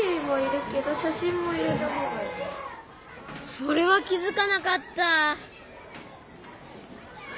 それは気付かなかった！